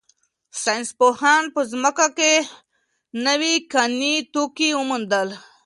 ساینس پوهانو په ځمکه کې نوي کاني توکي وموندل.